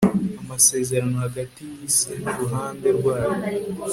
amasezerano hagati yisi nuruhande rwayo